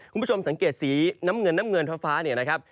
คุณผู้ชมสังเกตสีน้ำเงินน้ำเงินฟ้าเนี่ยนะครับ